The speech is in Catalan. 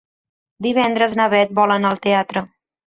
Divendres na Beth vol anar al teatre.